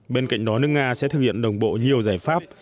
bên cạnh đó nước nga sẽ thực hiện đồng bộ nhiều giải pháp